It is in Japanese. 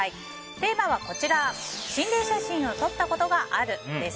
テーマは心霊写真を撮ったことがあるです。